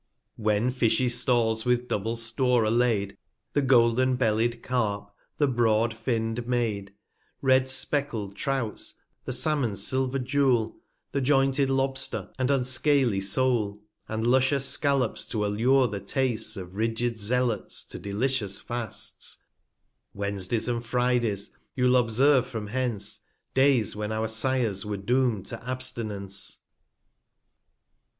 290 When fishy Stalls with double Store are laid ; The golden belly'd Carp, the broad finn'd Maid, Red speckled Trouts, the Salmon's silver Joul, The jointed Lobster, and unscaly Soale, And luscious 'Scallops, to allure the Tastes 295 Of rigid Zealots to delicious Fasts ; Wednesdays and Fridays you'll observe from hence, Days, when our Sires were doom'd to Abstinence.